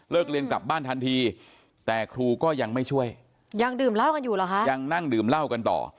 เรียนกลับบ้านทันทีแต่ครูก็ยังไม่ช่วยยังดื่มเหล้ากันอยู่เหรอคะยังนั่งดื่มเหล้ากันต่อ